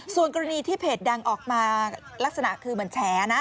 ส่วนกรณีที่เพจดังออกมาลักษณะคือเหมือนแฉนะ